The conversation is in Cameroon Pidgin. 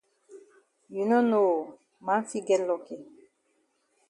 You no know oo man fit get lucky.